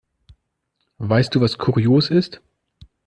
Weißt du, was kurios ist?